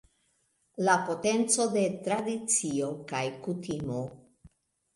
La potenco de tradicio kaj kutimo.